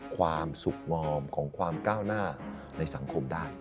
ความสุขงอมของความก้าวหน้าในสังคมได้